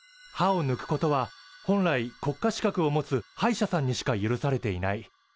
歯をぬくことは本来国家資格を持つ歯医者さんにしか許されていない。